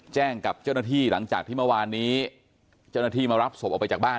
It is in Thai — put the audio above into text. แจ้งกับเจ้าหน้าที่หลังจากที่เมื่อวานนี้เจ้าหน้าที่มารับศพออกไปจากบ้าน